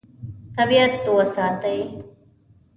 طبیعت وساتئ.